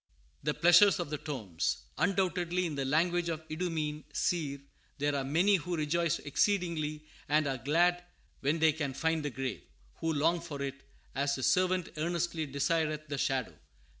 "The pleasures of the tombs!" Undoubtedly, in the language of the Idumean, seer, there are many who "rejoice exceedingly and are glad when they can find the grave;" who long for it "as the servant earnestly desireth the shadow."